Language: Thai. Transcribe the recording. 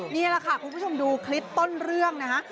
นี่แหละค่ะคุณผู้ชมดูคลิปต้นเรื่องนะฮะ